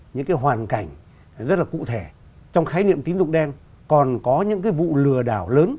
như thế nào về vấn đề này